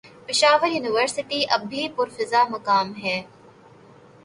Peshawar university اب بھی پرفضامقام ہے